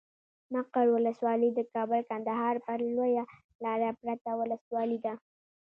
مقر ولسوالي د کابل کندهار پر لويه لاره پرته ولسوالي ده.